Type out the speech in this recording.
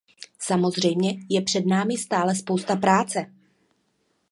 Samozřejmě je před námi stále spousta práce.